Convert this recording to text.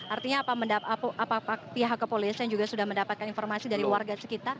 artinya apa pihak kepolisian juga sudah mendapatkan informasi dari warga sekitar